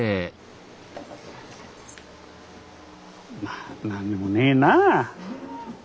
まあ何にもねえなあ。